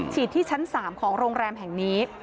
ที่ชั้น๓ของโรงแรมแห่งนี้